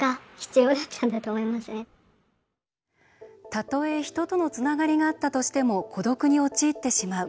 たとえ、人とのつながりがあったとしても孤独に陥ってしまう。